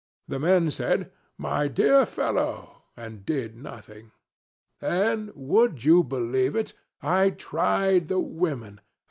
The men said 'My dear fellow,' and did nothing. Then would you believe it? I tried the women.